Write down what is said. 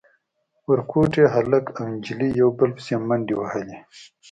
ورکوټي هلک او نجلۍ يو بل پسې منډې وهلې.